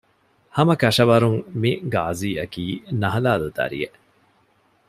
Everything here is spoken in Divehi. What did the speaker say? ހަމަކަށަވަރުން މި ޤާޟީއަކީ ނަހަލާލު ދަރިއެއް